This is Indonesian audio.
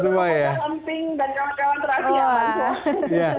aman semua ya